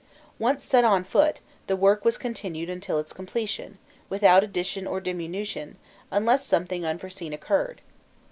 Once set on foot, the work was continued until its completion, without addition or diminution, unless something unforeseen occurred.